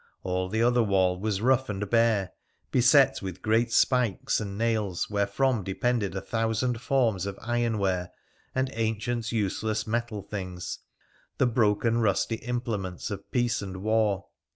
All the other wall was rough and bare ; beset with great spikes and nails wherefrom depended a tbou sand forms of ironware, and ancient useless metal things, the broken rusty implements of peace and war.